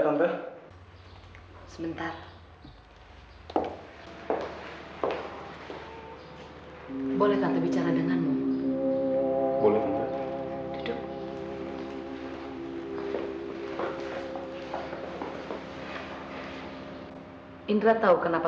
sampai jumpa di video selanjutnya